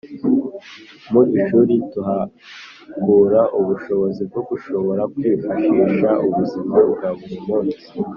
mu ishuri tuhakura ubushobozi bwo gushobora kwifashiha u buzima bwaburi munsi